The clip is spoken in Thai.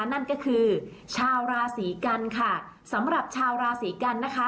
นั่นก็คือชาวราศีกันค่ะสำหรับชาวราศีกันนะคะ